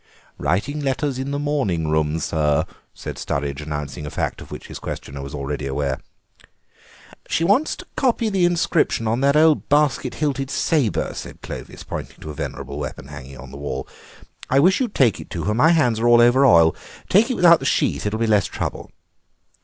"Writing letters in the morning room, sir," said Sturridge, announcing a fact of which his questioner was already aware. "She wants to copy the inscription on that old basket hilted sabre," said Clovis, pointing to a venerable weapon hanging on the wall. "I wish you'd take it to her; my hands are all over oil. Take it without the sheath, it will be less trouble."